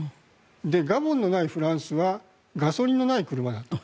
ガボンのないフランスはガソリンのない車だと。